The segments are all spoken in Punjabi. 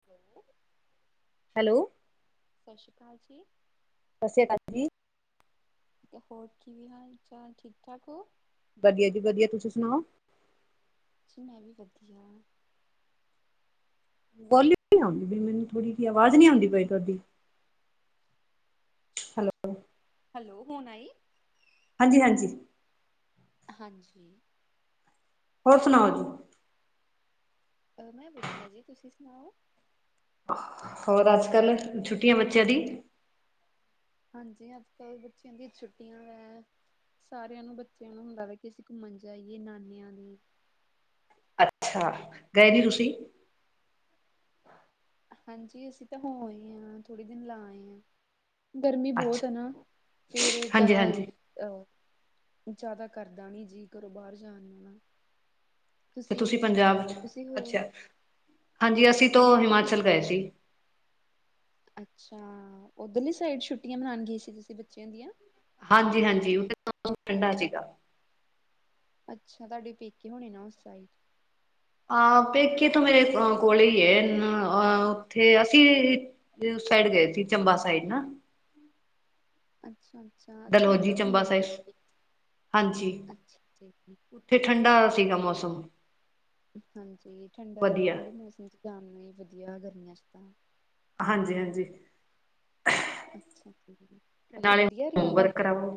[unintelligible] ਹੈਲੋ। ਸਤਿ ਸ਼੍ਰੀ ਅਕਾਲ ਜੀ। ਸਤਿ ਸ਼੍ਰੀ ਅਕਾਲ ਜੀ। ਤੇ ਹੋਰ ਕਿਵੇਂ ਹਾਲ ਚਾਲ ਠੀਕ ਠਾਕ ਹੋ। ਵਧੀਆ ਜੀ ਵਧੀਆ। ਤੁਸੀਂ ਸੁਣਾਓ। ਜੀ ਮੈਂ ਵੀ ਵਧੀਆ। ਵੋਲਿਊਮ ਨੀ ਆਦੀ ਪਈ ਮੈਨੂੰ ਥੋੜੀ ਜਿਹੀ ਆਵਾਜ਼ ਨੀ ਆਉਦੀ ਪਈ ਤੁਹਾਡੀ। ਹੈਲੋ। ਹੈਲੋ ਹੁਣ ਆਈ। ਹਾਂਜੀ ਹਾਂਜੀ। ਹਾਂਜੀ। ਹੋਰ ਸੁਣਾਓ ਜੀ। ਮੈਂ ਵਧੀਆ ਜੀ ਤੁਸੀਂ ਸੁਣਾਓ। ਹੋਰ ਅੱਜ ਕੱਲ੍ਹ ਛੁੱਟੀਆਂ ਬੱਚਿਆਂ ਦੀ। ਹਾਂਜੀ ਅੱਜ ਕੱਲ੍ਹ ਬੱਚਿਆਂ ਦੀ ਛੁੱਟੀਆਂ ਵੈ। ਸਾਰਿਆਂ ਨੂੰ ਬੱਚਿਆਂ ਨੂੰ ਹੁੰਦਾ ਵੇ ਅਸੀਂ ਘੁੰਮਣ ਜਾਈਏ ਨਾਨਿਆਂ ਦੇ। ਅੱਛਾ, ਗਏ ਨੀ ਤੁਸੀਂ। ਹਾਂਜੀ ਅਸੀਂ ਤਾਂ ਹੋਏ ਆ, ਥੋੜੇ ਦਿਨ ਲਾ ਆਏ ਆ। ਗਰਮੀ ਬਹੁਤ ਅੱਛਾ, ਹੈ ਨਾ, ਫੇਰ ਜਿਆਦਾ ਹਾਂਜੀ-ਹਾਂਜੀ ਅਹ, ਜ਼ਿਆਦਾ ਕਰਦਾ ਨੀ ਜੀ ਘਰੋਂ ਬਾਹਰ ਜਾਣ ਨੂੰ ਨਾ। ਤੇ ਤੁਸੀਂ ਪੰਜਾਬ ਚ ਅਹ, ਤੁਸੀਂ ਹੋ ਅੱਛਾ, ਹਾਂਜੀ, ਅਸੀਂ ਤੋਂ ਮੈਂ ਕਿਹਾ ਤੁਸੀਂ ਹਿਮਾਚਲ ਗਏ ਸੀ ਅੱਛਾ, ਉੱਧਰਲੀ ਸਾਈਡ ਛੁੱਟੀਆਂ ਮਨਾਉਣ ਗਈ ਸੀ ਤੁਸੀਂ ਬੱਚਿਆਂ ਦੀਆਂ। ਹਾਂਜੀ-ਹਾਂਜੀ ਉੇ ਠੰਡਾ ਸੀਗਾ ਅੱਛਾ, ਤੁਹਾਡੇ ਪੇਕੇ ਹੋਣੇ ਨਾ ਉਸ ਸਾਈਡ ਆਹ ਪੇਕੇ ਤੋਂ ਮੇਰੇ ਕੋਲ ਹੀ ਹੈ, ਆ ਉੱਥੇ ਅਸੀਂ ਅਸੀਂ ਉਸ ਸਾਈਡ ਗਏ ਸੀ, ਚੰਬਾ ਸਾਈਡ ਨਾ। ਅੱਛਾ-ਅੱਛਾ-ਅੱਛਾ, ਡਲਹੌਜੀ, ਓਦਾਂ ਚੰਬਾ ਘੁੰਮਣ ਸਾਈਡ, ਫਿਰਨ ਗਏ ਹਾਂਜੀ। ਅੱਛਾ [inaudible] ਉੱਥੇ ਠੰਡਾ, ਸੀਗਾ ਮੌਸਮ। ਹਾਂਜੀ ਠੰਡਾ, ਵਧੀਆ। ਠੰਢੇ ਮੌਸਮ ਜਾਨ ਨੂੰ ਵਧੀਆ ਗਰਮੀਆਂ ਚ ਤਾਂ ਹਾਂਜੀ-ਹਾਂਜੀ ਅੱਛਾ ਜੀ, ਉੱਥੇ ਨਾਲੇ ਵਧੀਆ ਰਿਹਾ ਹੋਮਵਰਕ ਤੁਹਾਡਾ। ਕਰਾਵੋ।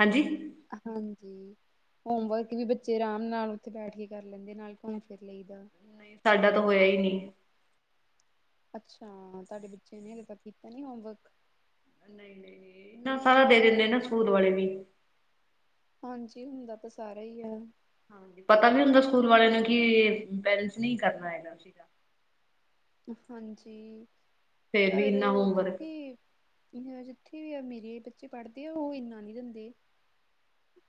ਹਾਂਜੀ। ਨਹੀਂ ਹਾਂਜੀ ਹੋਮਵਰਕ ਵੀ ਬੱਚੇ ਆਰਾਮ ਨਾਲ ਉੱਥੇ ਬੈਠ ਕੇ ਕਰ ਲੈਂਦੇ, ਨਾਲ ਘੁੰਮ ਫਿਰ ਲਈ ਦਾ। ਸਾਡਾ ਤਾਂ ਹੋਇਆ ਹੀ ਨਹੀਂ ਅੱਛਾ ਤੁਹਾਡੇ ਬੱਚੇ ਨੇ ਹਜੇ ਤੱਕ ਕੀਤਾ ਨੀ ਹੋਮਵਰਕ ਨਹੀਂ-ਨਹੀਂ ਇਨਾ ਸਾਰਾ ਦੇ ਦਿੰਦੇ ਨਾ ਸਕੂਲ ਵਾਲੇ ਵੀ ਹਾਂਜੀ ਹੁੰਦਾ ਤਾਂ ਸਾਰਾ ਹੀ ਆ ਹਾਂ ਪਤਾ ਨੀ ਹੁੰਦਾ ਸਕੂਲ ਵਾਲਿਆਂ ਨੂੰ, ਕਿ ਪੇਰੈਂਟਸ ਨੇ ਕਰਨਾ ਹੈਗਾ ਸੀਗਾ ਹਾਂਜੀ, ਫੇਰ ਵੀ ਪਰ ਇੰਨਾ ਹੋਮਵਰਕ ਜਿੱਥੇ ਜਿੱਥੇ ਵੀ ਆ ਮੇਰੇ ਬੱਚੇ ਪੜ੍ਹਦੇ ਆ, ਉਹ ਇੰਨਾ ਨਹੀਂ ਦਿੰਦੇ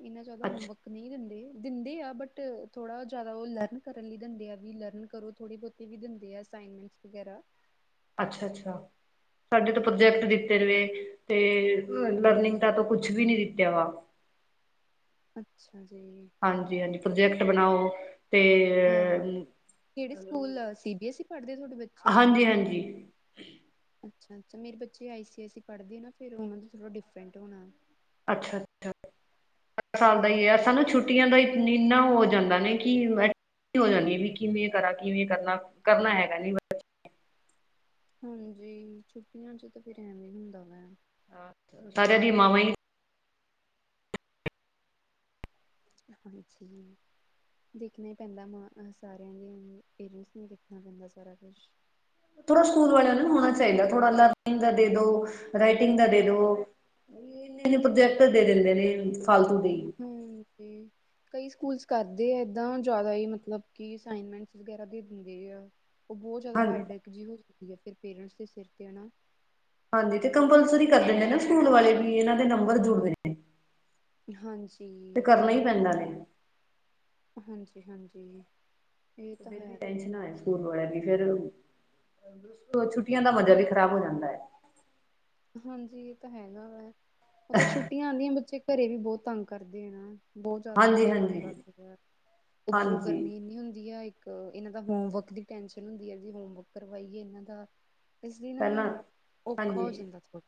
ਇੰਨਾ ਜਿਆਦਾ ਉਹਦਾ ਅੱਛ ਹੋਮਵਰਕ ਨਹੀਂ ਦਿੰਦੇ, ਦਿੰਦੇ ਆ ਬਟ ਥੋੜਾ ਜਿਆਦਾ ਉਹ ਲਰਨ ਕਰਨ ਲਈ ਦਿੰਦੇ ਆ ਵੀ ਲਰਨ ਕਰੋ ਥੋੜੀ ਬਹੁਤ ਇਹ ਵੀ ਦਿੰਦੇ ਆ ਅਸਾਈਨਮੈਂਟਸ ਵਗੈਰਾ ਅੱਛਾ-ਅੱਛਾ, ਸਾਡੇ ਤਾਂ ਪ੍ਰੋਜੈਕਟ ਹਾਂਜੀ ਦਿੰਦੇ ਤੇ, ਲਰਨਿੰਗ ਦਾ ਤਾ ਕੁੱਛ ਵੀ ਨੀ ਦਿੱਤਾ ਵਾ ਅੱਛਾ ਜੀ ਹਾਂਜੀ-ਹਾਂਜੀ ਪ੍ਰੋਜੈਕਟ ਬਣਾਓ ਤੇ ਹ, ਕਿਹੜੇ school C B S E ਪੜ੍ਹਦੇ ਤੁਹਾਡੇ ਬੱਚੇ ਹਾਂਜੀ-ਹਾਂਜੀ ਅੱਛਾ ਅੱਛਾ ਮੇਰੇ ਬੱਚੇ ਆਈ ਸੀ ਆਈ ਸੀ ਪੜ੍ਹਦੇ ਆ ਨਾ, ਫਿਰ ਓਹਨਾ ਦਾ ਥੋੜਾ ਡਿਫਰੈਂਟ ਹੋਣਾ ਅੱਛਾ-ਅੱਛਾ ਸਾਲ ਦਾ ਹੀ ਹੈ, ਹਾਂ ਸਾਨੂੰ ਛੁੱਟੀ ਛੁੱਟੀਆਂ ਦਾ, [inaudible] ਇੰਨਾ ਹੋ ਜਾਂਦਾ ਨੇ ਕਿ ਹੋ ਜਾਂਦੀ ਵੀ, ਕਿਵੇਂ ਕਰਾਂ, ਕਿਵੇਂ ਕਰਨਾ, ਕਰਨਾ ਹੈਗਾ ਨੀ। ਹਾਂਜੀ, ਛੁੱਟੀਆਂ ਚ ਤਾਂ ਫਿਰ ਐਵੇਂ ਹੁੰਦਾ ਵਾ ਸਾਰਿਆਂ ਦੀਆਂ ਮਾਵਾਂ ਹੀ ਹਾਂਜੀ ਦੇਖਣਾ ਹੀ ਪੈਂਦਾ ਮ, ਸਾਰਿਆਂ ਦੇ ਪੇਰੈਂਟਸ ਨੂੰ ਦੇਖਣਾ ਪੈਂਦਾ ਸਾਰਾ ਕੁੱਛ। ਥੋੜਾ ਸਕੂਲ ਵਾਲਿਆਂ ਨੂੰ ਹੋਣਾ ਚਾਹੀਦਾ, ਥੋੜਾ ਲਰਨਿੰਗ ਦਾ ਦੇ ਦੋ, ਰਾਈਟਿੰਗ ਦਾ ਦੇ ਦੋ। ਇੰਨੇ-ਇੰਨੇ ਪ੍ਰੋਜੈਕਟ ਦੇ ਦਿੰਦੇ ਨੇ ਫਾਲਤੂ ਦੇਈ। ਹਮ, ਤੇ ਕਈ ਸਕੂਲਸ ਕਰਦੇ ਆ ਏਦਾਂ, ਜ਼ਿਆਦਾ ਹੀ ਮਤਲਬ ਕਿ ਅਸਾਈਨਮੈਂਟ ਵਗੈਰਾ ਦੇ ਦਿੰਦੇ ਆ। ਉਹ ਬਹੁਤ ਜ਼ਿਆਦਾ ਹਾਂ ਹੈਡ ਐਕ ਜਿਹੀ ਹੋ ਜਾਂਦੀ ਆ, ਫਿਰ ਪੇਰੈਂਟਸ ਦੇ ਸਿਰ ਤੇ ਹੈ ਨਾ। ਹਾਂਜੀ, ਤੇ ਕੰਪਲਸਰੀ ਕਰ ਦਿੰਦੇ ਨਾ ਸਕੂਲ ਵਾਲੇ਼, ਵੀ ਏਨਾਂ ਦੇ ਨੰਬਰ ਜੁੜ ਦੇ ਨੇ। ਤੇ ਹਾਂਜੀ। ਕਰਨਾ ਈ ਪੈਂਦਾ ਨੇ। ਹਾਂਜੀ, ਹਾਂਜੀ। ਬਾਲੀ ਟੈਂਨਸ਼ਨਾ [unintelligible] ਫੇਰ ਛੁੱਟੀਆਂ ਦਾ ਮਜਾ ਵੀ ਖ਼ਰਾਬ ਹੋ ਜਾਂਦੈ। ਹਾਂਜੀ, ਏ ਤਾਂ ਹੈਗਾ ਵੈ ਓਦਰ ਛੁੱਟੀਆਂ ਆਂਦੀਆ ਬੱਚੇ ਘਰੇ ਵੀ ਬੋਤ ਤੰਗ ਕਰਦੇ ਆ। ਬੋਤ ਜਾ਼ਦਾ ਹਾਂਜੀ ਪਰੇਸ਼ਾਨ ਹਾਂਜੀ ਕਰਦੇ ਐ, ਉੱਪਰੋਂ ਹਾਂਜੀ ਗਰਮੀ ਇੰਨੀ ਹੁੰਦੀ ਏ ਇੱਕ ਅ, ਇਨਾਂ ਦਾ ਹੋਮੰਵਰਕ ਦੀ ਟੈਸ਼ਨ ਹੁੰਦੀ ਐ ਬਈ ਹੋਮੰਵਰਕ ਕਰਵਾਈਏ ਏਨਾਂ ਦਾ ਇਸਲੀ ਨਾ, ਓਖਾ ਹੋ ਜਾਂਦਾ। ਥੋੜਾ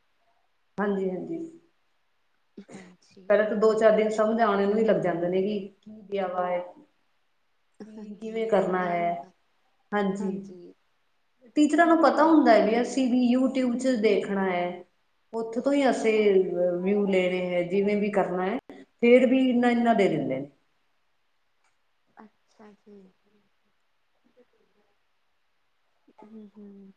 ਹਾਂਜੀ-ਹਾਂਜੀ। ਹਾਂਜੀ। ਦੋ ਚਾਰ ਦਿਨ ਸਮਜ ਆਣੇ ਨੂੰ ਵੀ ਲੱਗ ਜਾਂਦੇ ਨੇ, ਵੀ ਕਿਊ ਗੇਆ ਬਾਹੇਰ। ਕੀ ਕਿਵੇਂ ਕਰਨਾ ਏਦਾਂ ਹੀ ਹੈ, ਹੁੰਦਾ। ਹਾਂਜੀ ਟੀਚਰਾਂ ਨੂੰ ਪਤਾ ਹੁੰਦਾ ਹੈ ਵੀ ਆ ਅਸੀਂ ਵੀ ਯੂਟਿਊਬ ਚ ਦੇਖਣਾ ਹੈ, ਉੱਥੇ ਤੋਂ ਹੀ ਹਾਂ ਅਸੀਂ ਵਿਊ ਲੈਣਾ ਜਿਵੇਂ ਵੀ ਕਰਨਾ ਹੈ, ਫਿਰ ਵੀ ਇੰਨਾ-ਇਨਾ ਦੇ ਦਿੰਦੇ ਨੇ ਅੱਛਾ-ਜੀ ਹੂੰ, ਹੂੰ।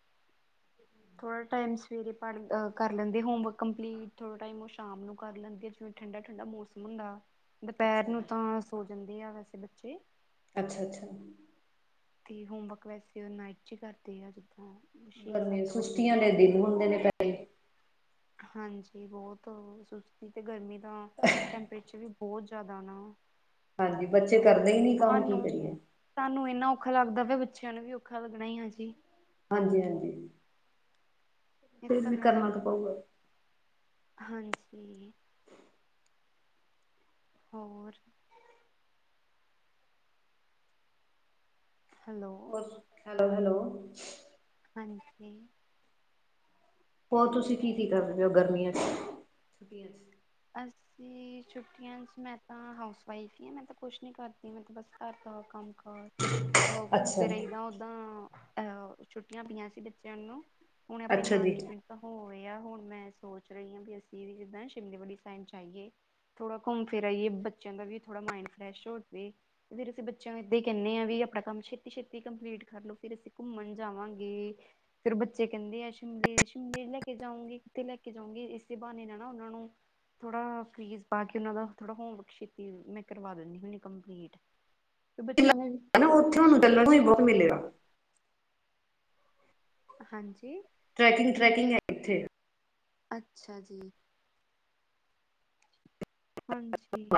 [inaudible] ਥੋੜਾ ਟਾਈਮ ਸਵੇਰੇ ਪਰ ਅ, ਕਰ ਲੈਂਦੀ ਹੋਮਵਰਕ ਕੰਪਲੀਟ ਥੋੜ੍ਹਾ ਟਾਈਮ ਓ ਸ਼ਾਮ ਨੂੰ ਕਰ ਲੈਂਦੀ ਆ ਜਿਵੇਂ ਠੰਡ- ਠੰਡਾ ਮੌਸਮ ਹੁੰਦਾ। ਦੋਪਹਿਰ ਅੱਛਾ ਨੂੰ ਜੀ ਤਾਂ ਸੋ ਜਾਂਦੇ ਆ ਵੈਸੇ ਬੱਚੇ। ਅੱਛਾ-ਅੱਛਾ। ਤੇ ਹੋਮੰਵਰਕ ਵੈਸੇ ਓ ਨਾਈਟ ਚ ਈ ਕਰਦੇ ਆ ਜਿੱਦਾ। ਗਰਮੀ ਸੁਸਤੀਆਂ ਆਲੇ ਦਿਨ ਹੁੰਦੇ ਨੇ ਪ ਹਾਂਜੀ, ਬੋਤ ਸੁਸਤੀ ਤੇ ਗਰਮੀ ਦਾ ਟੈਂਪਰੇਚਰ ਵੀ ਬੋਤ ਜਾਦਾ ਨਾ ਹਾਂਜੀ, ਬੱਚੇ ਤਾਂ ਕਰਦੇ ਈ ਨੀ ਕੰਮ ਕੀ ਸਾਨੂੰ ਕਰੀਏ? ਸਾਨੂੰ ਏਨਾ ਔਖਾ ਲੱਗਦਾ ਪੈ, ਬੱਚੇਆਂ ਨੂੰ ਵੀ ਔਖਾ ਲੱਗਣਾ ਈ ਆ ਜੀ। ਹਾਂਜੀ-ਹਾਂਜੀ। ਇਹ ਫੇਰ ਵੀ ਹੈ ਕਰਨਾ ਤਾਂ ਪਊਗਾ। ਹਾਂਜੀ। ਹੋਰ? ਹੈਲੋ ਹੈਲੋ, ਹੈਲੋ ਹਾਂਜੀ। ਹੋਰ ਤੁਸੀਂ ਕੀ-ਕੀ ਕਰਦੇ ਓ ਗਰਮੀਆਂ ਚ ਛੁੱਟੀਆਂ ਚ? [unintelligible] ਵੀ, ਛੁੱਟੀਆਂ ਚ ਮੈਂ ਤਾਂ ਹਾਊਸ ਵਾਈਫ ਈ ਆਂ, ਮੈਂ ਤਾਂ ਕੁੱਛ ਨੀ ਕਰਦੀ ਮੈਂ ਤਾਂ ਬਸ ਘੱਰ ਦਾ ਕੰਮ ਘੁੰਮ ਅੱਛਾ ਫਿਰ ਆਈਦਾ ਓਦਾਂ, ਅ ਛੁੱਟੀਆਂ ਪਈਆਂ ਸੀ ਬੱਚੇਆਂ ਨੂੰ। ਹੁਣ ਆਪੇਂ ਅੱਛਾ ਜੀ ਨਾਨਕੇ ਪਿੰਡ ਤਾਂ ਹੋ ਯਾ, ਹੁਣ ਮੈਂ ਸੋਚ ਰਈ ਆਂ ਬੀ ਅਸੀਂ ਵੀ ਜਿੱਦਾਂ ਸ਼ਿਮਲੇ ਵਾਲੀ ਵ ਜਾਇਏ ਮਥੋੜਾ ਘੁੰਮ ਫਿਰ ਆਈਏ, ਬੱਚੇਆਂ ਦਾ ਵੀ ਥੋੜਾ ਮਾਈੰਡ ਫ੍ਰੈਸ਼ ਹੋਜਵੇ। ਫੇਰ ਅਸੀਂ ਬੱਚੇਆਂ ਨੂੰ ਏਦਾਂ ਈ ਕਹਿਣੇ ਆ ਵੀ ਅਪਣਾ ਕੰਮ ਸੇ਼ਤੀ-ਸੇ਼ਤੀ ਕੰਪਲੀਟ ਕਰ ਲੋ ਫਿਰ ਅਸੀਂ ਘੁੰਮਣ ਜਾਵਾਂਗੇ। ਫੇਰ ਬੱਚੇ ਕੇਂਦੇ ਆ ਸ਼ਿਮਲੇ, ਸ਼ਿਮਲੇ ਲੈ ਕੇ ਜਾਂਓਗੇ। ਕਿਤੇ ਲੈ ਕੇ ਜਾਂਓਗੇ? ਏਸੇ ਬਾਹਾਨੇ ਨਾਲ ਨਾ ਓਨਾਂ ਨੂੰ ਥੋੜਾ ਫ੍ਰੀਜ਼ ਪਾ ਕੇ ਐਨਾਂ ਦਾ, ਥੋੜਾ ਹੋਮਵਕ ਸੇ਼ਤੀ ਮੈਂ ਕਰਵਾ ਦਨੀ ਹੁੰਨੀ ਕੰਪਲੀਟ। ਫੇ ਬੱਚਿਆਂ ਨੇ ਵੀ ਤੁਆਨੂੰ ਤਾਂ ਅਲਗ ਕੋਈ ਵਰਕ ਮਿਲੇਗਾ। ਹਾਂਜੀ ਟ੍ਰੈਕਿੰਗ-ਟ੍ਰੈਕਿੰਗ ਐ ਅੱਛਾ ਜੀ। ਹਾਂਜੀ।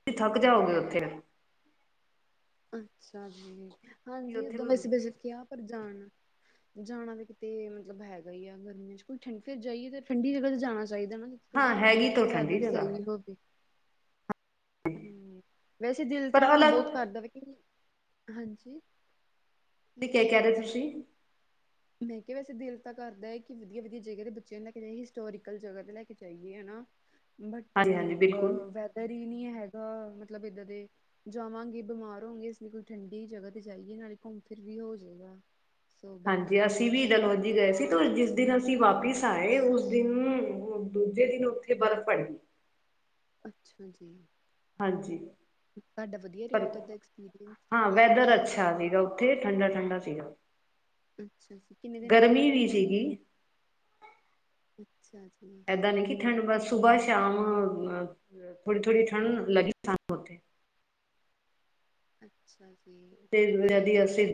ਤੁਸੀਂ ਥੱਕ ਜਾਓਗੇ ਓੱਥੇ। ਅੱਛਾ ਜੀ, ਹਾਂਜੀ ਉੱਥੇ ਊਦਾਂ ਕੋਈ ਵੈਸੇ ਬਜਟ ਕੇਯਾ ਪਰ ਜਾਣਾ। ਜਾਣਾ ਤਾਂ ਕਿਤੇ ਮਤਲਬ ਹੈਗਾ ਹੀ ਆ। ਗਰਮੀਆਂ ਚ ਕੋਈ, ਫੇਿਰ ਜਾਈਏ ਤਾਂ ਠੰਡੀ ਜਗ੍ਹਾ ਤੇ ਜਾਣਾ ਚਾਹੀਦਾ ਨਾ। ਹਾਂ ਥੋੜਾ ਹੈਗੀ ਤਾਂ ਠੰਡੀ ਵੈਦਰ ਜਗ੍ਹਾ ਸਹੀ ਹੋਵੇ। ਹਮ, ਵੈਸੇ ਦਿਲ ਪਰ ਤਾਂ ਅਲੱਗ ਬਹੁਤ ਕਰਦਾ। ਵੇਕ ਹਾਂਜੀ। ਦੀ, ਕੀ ਕਹਿ ਰਹੇ ਤੁਸੀਂ? ਮੈਂ ਕਿਹਾ, ਵੈਸੇ ਦਿਲ ਤਾਂ ਕਰਦਾ ਹੈ ਕਿ। ਵਧੀਆ-ਵਧੀਆ ਜਗਾ ਦੇ ਬੱਚਿਆਂ ਨੂੰ ਲੈ ਕੇ ਜਾਈਏ। ਹਿਸਟੋਰੀਕਲ ਜਗਾ ਤੇ ਲੈ ਕੇ ਜਾਈਏ, ਹੈਨਾ। ਬਟ, ਹਾਂਜੀ ਹਾਂਜੀ ਬਿਲਕੁਲ ਅ ਵੈਦਰ ਹੀ ਨਹੀਂ ਹੈਗਾ, ਮਤਲਬ ਇੱਦਾਂ ਦੇ ਜਾਵਾਂਗੇ, ਬਿਮਾਰ ਹੋੋਂਗੇ, ਇਸ ਲਈ ਕੋਈ ਠੰਡੀ ਜਗਾ ਤੇ ਜਾਈਏ, ਨਾਲੇ ਘੁੰਮ-ਫਿਰ ਵੀ ਹੋ ਜਾਏਗਾ। ਲੋ ਹਾਂਜੀ, ਅਸੀਂ ਵੀ ਡਲਹੌਜ਼ੀ ਗਏ ਸੀ। ਡਲਹੌਜ਼ੀ ਦਿਨ ਅਸੀਂ ਵਾਪਿਸ ਆਏ, ਉਸ ਦਿਨ ਦੂਜੇ ਦਿਨ ਉੱਥੇ ਬਰਫ਼ ਪੜੀ। ਅੱਛਾ ਜੀ। ਹਾਂਜੀ। ਥਾਡਾ ਵਦੀਆ ਰਿਆ ਓਧੱਰ ਦਾ ਈ ਐਕਸਪੀਰੀਅੰਸ? ਹਾਂ‌ ਵੈਦਰ ਅੱਛਾ ਸੀਗਾ ਉੱਥੇ ਠੰਡਾ-ਠੰਡਾ ਸੀਗਾ। ਅੱਛਾ ਜੀ। ਕਿੰਨੇ ਦਿਨ ਰਹਿ ਗਰਮੀ ਕੇ ਆਏਂ ਵੀ ਤੁਸੀਂ? ਸੀਗੀ ਅੱਛਾ ਜੀ। ਪਦਾ ਨਹੀਂ, ਠੰਡ ਬਸ ਸੁਬਾਹ-ਸ਼ਾਮ ਅਅ ਥੋੜੀ-ਥੋੜੀ ਠੰਡ ਸਾਨੂੰ ਲਗਦੀ ਉਥੇ ਅੱਛਾ ਜੀ ਤੇ ਜਦੀ ਅਸੀਂ ਉਹਥ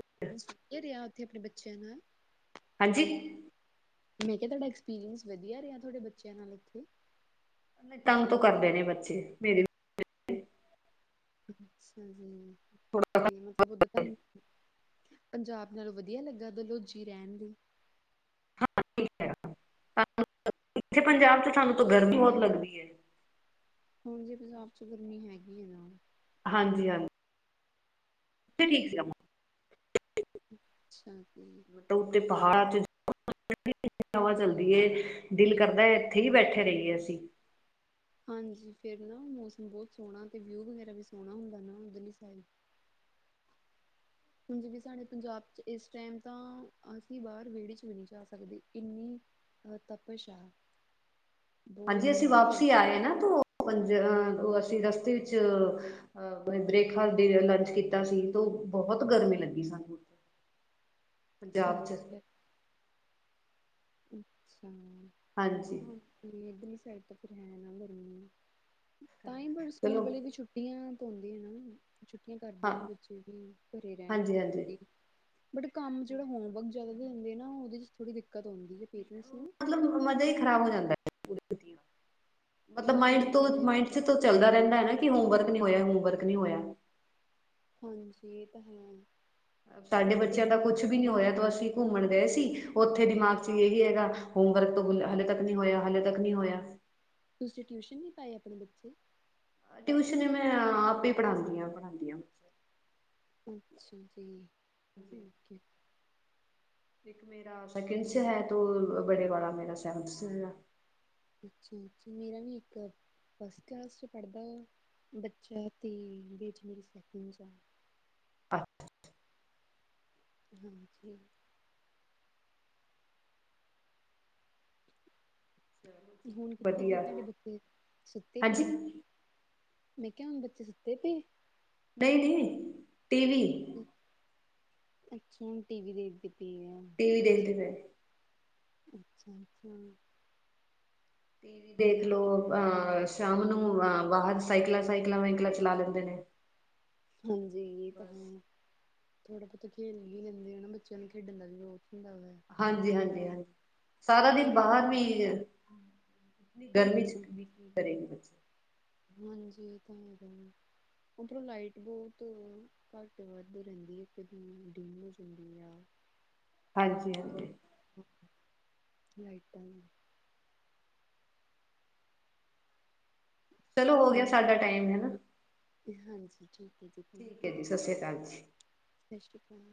ਰਿਹਾ ਉੱਥੇ ਅਪਣੇ ਬੱਚਿਆਂ ਨਾਲ ਹਾਂਜੀ ਮੈਂ ਕਿਹਾ, ਤੁਹਾਡਾ ਐਕਸਪੀਰੀਅੰਸ ਵਧੀਆ ਰਿਹਾ ਤੁਹਾਡੇ ਬੱਚਿਆਂ ਨਾਲ ਉਥੇ? ਤੰਗ ਤੋਂ ਕਰਦੇ ਨੇ ਬੱਚੇ ਮੇਰੇ ਅੱਛਾ ਜੀ। ਥੋੜਾ [inaudible] ਮਤਲਬ ਉਦਰ ਤੁਾਨੂੰ, ਪੰਜਾਬ ਨਾਲੋਂ ਵਧੀਆ ਲੱਗਾ ਦਲੌਜੀ ਰਹਿਣ ਲਈ? ਇੱਥੇ ਪੰਜਾਬ ਚ ਸਾਨੂੰ, ਤਾਂ ਗਰਮੀ ਬਹੁਤ ਲੱਗਦੀ ਹੈ। ਹੁਣ ਜੇ ਪੰਜਾਬ ਚ, ਗਰਮੀ ਹੈਗੀ ਹੈ, ਨਾ। ਹਾਂਜੀ- ਹਾਂਜੀ। ਠੀਕ [unintelligible] ਅੱਛਾ ਜੀ। ਉ ਤੇ ਪਹਾੜਾਂ ਚ [unintelligible] [inaudible] ਹਵਾ ਚੱਲਦੀ ਏ। ਦਿਲ ਕਰਦਾ ਇੱਥੇ ਹੀ, ਬੈਠੇ ਰਹੀਏ ਅਸੀਂ। ਹਾਂਜੀ। ਫੇਰ ਨਾ ਮੌਸਮ ਬਹੁਤ ਸੋਹਣਾ, ਤੇ ਵਿਊ ਵਗੈਰਾ ਵੀ ਸੋਹਣਾ, ਹੁੰਦਾ ਨਾ ਉੱਧਰਲੀ ਸਾਈਡ। ਹੁਣ ਜਿਵੇਂ ਸਾਡੇ ਪੰਜਾਬ ਚ, ਇਸ ਟਾਈਮ ਤਾਂ, ਅਸੀਂ ਬਾਹਰ ਵਿਹੜੇ ਚ ਵੀ, ਨਹੀਂ ਜਾ ਸਕਦੇ ਕਿੰਨੀ ਅ ਤਪਸ਼ਾਹ ਆ। [inaudible] ਹਾਂਜੀ, ਬਹੁਤ ਅਸੀਂ ਜ਼ਿਆਦਾ ਵਾਪਸੀ ਗਰਮੀ ਆਏ ਨਾ, ਤਾਂ ਪੰਜਹ ਅਸੀਂ ਰਸਤੇ ਵਿੱਚ ਅਹ, ਬ੍ਰੇਕਫਾਸਟ, ਡੀਨਰ, ਲੰਚ ਕੀਤਾ ਸੀ। ਤੇ ਬਹੁਤ ਗਰਮੀ ਲੱਗੀ ਸਾਨੂੰ ਉ। ਪੰਜਾਬ ਚ। ਅੱਛਾ ਅੱਛਾ, ਹਾਂਜੀ ਇੱਧਰਲੀ ਸਾਈਡ, ਤਾਂ ਫੇਰ ਹੈ ਨਾ ਗਰਮੀ। ਤਾਂ ਹੀ ਪਰ, ਸਕੂਲ ਚਲੋ ਵਾਲੇ ਵੀ ਛੁੱਟੀਆਂ ਤਾਂ ਹਉਦੀਆਂ। ਛੁੱਟੀਆਂ ਕਰਦੇ ਹਾਂ ਆ, ਵੀ ਬੱਚੇ ਵੀ ਘਰੇ ਰਹਿਣ ਹਾਂਜੀ ਥੋੜੀ ਹਾਂਜੀ ਬਹੁਤੀ। ਬਟ ਕੰਮ, ਜਿਹੜਾ ਹੋਮਵਰਕ ਜ਼ਿਆਦਾ ਹਦੇ ਆ ਨਾ, ਉਹਦੇ ਚ ਥੋੜੀ ਦਿੱਕਤ ਆਉਂਦੀ ਹੈ। ਪੇਰੈਂਟਸ ਨੂੰ। ਮਤਲਬ ਮਜ਼ਾ, ਹੀ ਖ਼ਰਾਬ ਹੋ ਜਾਂਦਾ, ਮਤਲਬ ਮਾਇੰਡ ਹਾਂਜੀ ਤੋਂ ਇਹ ਤਾਂ ਮਾਇੰਡ ਚ। ਹੈ। ਚੱਲਦਾ ਰਹਿੰਦਾ ਹੈ ਨਾ। ਕਿ, ਹੋਮਰਕ ਨਹੀਂ ਹੋਇਆ, ਹੋਮਵਰਕ ਨਹੀਂ ਹੋਇਆ। ਹਾਂਜੀ, ਇਹ ਤਾਂ ਹੈ। ਉਹ ਤੁਹਾਡੇ ਤਾਂ ਫਿਰ ਬੱਚਿਆਂ ਦਾ, ਕੁਛ ਟੈਨਸ਼ਨ ਵੀ ਨੀ ਤਾਂ ਹੋਇਆ, ਹੁੰਦੀ ਤ ਹੈ। ਅਸੀਂ। ਘੁੰਮਣ ਗਏ ਸੀ, ਉੱਥੇ ਦਿਮਾਗ ਚ ਇਹੀ ਹੈਗਾ-ਹੋਮਵਰਕ ਤੋਂ ਬੁ ਹਲੇੇ ਤੱਕ ਨਹੀਂ ਹੋਇਆ, ਹਾਲੇ ਤੱਕ ਨਹੀਂ ਹੋਇਆ। ਤੁਸੀਂ ਟਿਊਸ਼ਨ ਨਹੀਂ, ਪਾਏ ਆਪਣੇ ਬੱਚੇ? ਟਿਊਸ਼ਨ, ਮੈਂ ਆਪ ਹੀ, ਪੜਾਂਦੀ ਹਾਂ ਪੜਾਦੀ ਹਾਂ। ਅੱਛਾ ਜੀ। ਠੀਕ ਹੈ। ਇੱਕ ਮੇਰਾ ਸੈਕਿੰਡ ਚ ਹੈ। ਤੂੰ ਬੜੇ ਵਾਲਾ ਮੇਰਾ, ਸੈਵਨਥ ਚ ਹੈਗਾ। ਅੱਛਾ- ਅੱਛਾ। ਮੇਰਾ ਵੀ ਇੱਕ। ਫਸਟ ਕਲਾਸ ਚ ਪੜਦਾ ਵ, ਬੱਚਾ ਤੇ, ਬੇਟੀ ਮੇਰੀ ਸੈਕਿੰਡ ਚ ਆ। ਅੱ ਹਾਜੀ ਹੁਣ ਕਿੱਥੇ ਗਏ ਵਧੀਆ ਤੁਹਾਡੇ ਬੱਚੇ ਸੁੱਤੇ ਹਾਂਜੀ ਪਏ। ਨਹੀਂ ਮੈਂ ਕਿਹਾ ਹੁਣ ਬੱਚੇ ਸੁੱਤੇ ਪਏ। ਨਹੀਂ ਨਹੀ ਟੀ ਵੀ ਅੱਛਾ ਹੁਣ ਟੀ ਵੀ ਦੇਖਦੇ ਪਏ ਐ। ਟੀ ਵੀ ਅ ਅੱਛਾ, ਦੇਖਦੇ ਪਏ। ਅੱਛਾ। ਟੀ ਵੀ ਦੇਖ ਅੱਛਾ ਲਓ। ਸ਼ਾਮ ਨੂੰ ਬਾਹਰ ਸਾਈਕਲਾਂ- ਸਾਈਕਲਾਂ, ਵਾਈਕਲਾਂ, ਚਲਾ ਲੈਂਦੇ ਨੇ। ਹਾਂਜੀ, ਏ, ਤਾਂ ਬਸ ਹਾਂ। ਥੋੜਾ ਬਹੁਤਾ ਖੇਲ ਵੀ ਲੈਂਦੇ ਹਨ ਨਾ, ਬੱਚਿਆਂ ਨੂੰ ਖੇਡਣ ਦਾ ਵਿਰੋਧ ਨੀ ਲਗਦਾ। ਹਾਂਜੀ, ਹਾਂਜੀ, ਹਾਂਜੀ ਸਾਰਾ ਦਿਨ ਘਰੇ ਬਾਹਰ ਲੋਕੀ ਵੀ ਗਰਮੀ ਚ, ਕੀ ਕਰੇ ਬੱਚੇ। ਹਾਂਜੀ, ਏ ਤਾਂ ਹੈ। ਉੱਧਰੋਂ ਲਾਈਟ ਬਹੁਤ ਘੱਟ- ਵੱਧ ਰਹਿੰਦੀ ਐ, ਇੱਕ ਦੀ ਡਿੰਮ ਹੋ ਜਾਂਦੀ ਆ। ਹਾਂਜੀ- ਹਾਂਜੀ। ਤਾਂ, ਲਾਈਟਾਂ ਦੀ। ਚਲੋ, ਹੋ ਗਿਆ ਸਾਡਾ ਟਾਈਮ। ਹੈਨਾ। ਹਾਂਜੀ ਠੀਕ ਐ ਜੀ। ਥੈਂਕ ਠੀਕ ਹੈ ਯੂ ਜੀ ਸਤਿ ਸ਼੍ਰੀ ਅਕਾਲ ਜੀ। ਸਤਿ ਸ਼੍ਰੀ ਅਕਾਲ